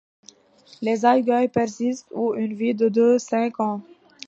Les aiguilles, persistantes, ont une vie de deux à cinq ans.